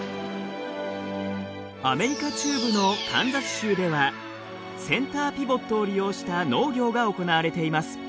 アメリカ中部のカンザス州ではセンターピボットを利用した農業が行われています。